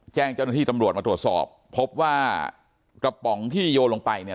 แจ้งเจ้าหน้าที่ตำรวจมาตรวจสอบพบว่ากระป๋องที่โยนลงไปเนี่ย